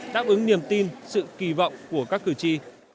đáp ứng niềm tin sự kỳ vọng của các cử tri